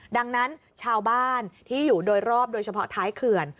ดังนั้นชาวบ้านที่อยู่โดยรอบโดยเฉพาะท้ายเขื่อน